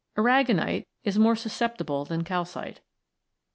Aragonite is more susceptible than calcite.